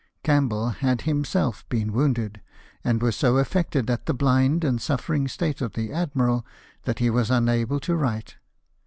Campbell had him self been wounded ; and was so affected at the blind and suffering state of the admiral that he was unable to write.